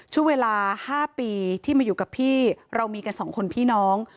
ช่วงเวลา๕ปีที่มาอยู่กับพี่เรามีกันสองคนพี่น้อง